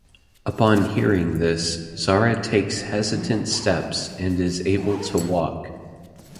Upon hearing this, Zara takes hesitant steps and is able to walk.